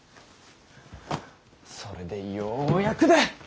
それでようやくだ。